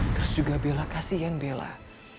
terus juga belah kasian belah